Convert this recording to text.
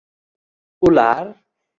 Ular: